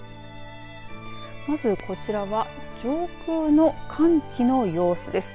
まずこちらは上空の寒気の様子です。